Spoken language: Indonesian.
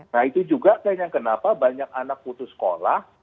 nah itu juga kayaknya kenapa banyak anak putus sekolah